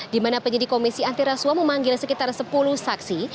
di mana penyidik komisi antiraswa memanggil sekitar sepuluh saksi